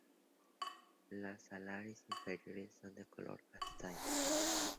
Las alares inferiores son de color castaño.